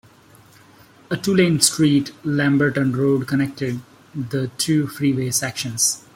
A two-lane street, Lamberton Road, connected the two freeway sections.